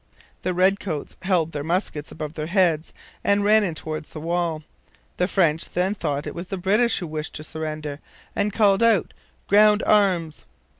the redcoats held their muskets above their heads and ran in towards the wall. The French then thought it was the British who wished to surrender, and called out 'Ground Arms!'